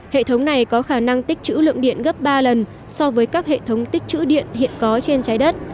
hệ thống này có khả năng tích chữ lượng điện gấp ba lần so với các hệ thống tích chữ điện hiện có trên trái đất